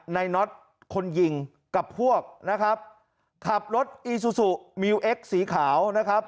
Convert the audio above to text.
น็อตคนยิงกับพวกนะครับขับรถอีซูซูมิวเอ็กซสีขาวนะครับ